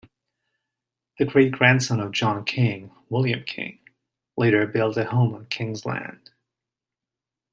The great-grandson of John King, William King, later built a home on King's Land.